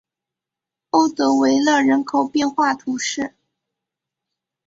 欧德维勒人口变化图示